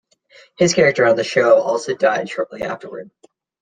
His character on the show also died shortly afterward.